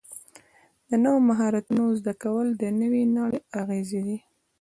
د نویو مهارتونو زده کول د نوې نړۍ اغېزې دي.